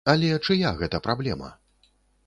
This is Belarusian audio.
Але чыя гэта праблема?